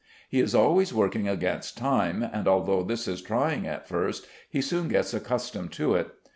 He is always working against time, and although this is trying at first, he soon gets accustomed to it.